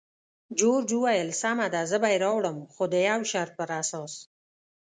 جورج وویل: سمه ده، زه به یې راوړم، خو د یو شرط پر اساس.